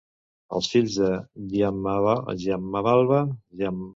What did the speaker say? Els fills dels Giammalva, Tony Giammalva i Sammy Giammalva Junior, també van ser tennistes.